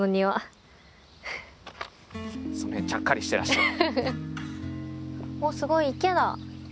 じゃあちゃっかりしてらっしゃる。